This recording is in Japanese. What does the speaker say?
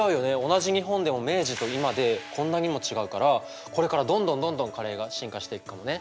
同じ日本でも明治と今でこんなにも違うからこれからどんどんどんどんカレーが進化していくかもね。